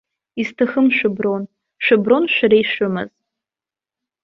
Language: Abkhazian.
Исҭахым шәыброн, шәыброн шәара ишәымаз!